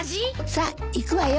さっ行くわよ。